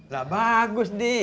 lah bagus di